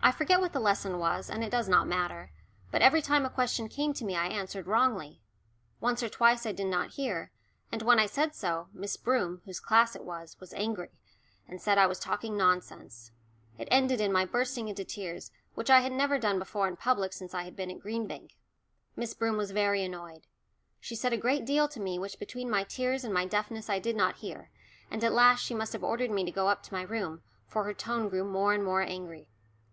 I forget what the lesson was, and it does not matter, but every time a question came to me I answered wrongly. Once or twice I did not hear, and when I said so, Miss Broom, whose class it was, was angry, and said I was talking nonsense. It ended in my bursting into tears, which I had never done before in public since I had been at Green Bank. Miss Broom was very annoyed. She said a great deal to me which between my tears and my deafness I did not hear, and at last she must have ordered me to go up to my room, for her tone grew more and more angry.